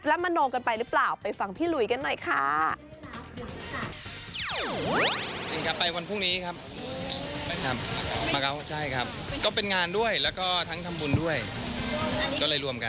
แล้วมโนกันไปหรือเปล่าไปฟังพี่หลุยกันหน่อยค่ะ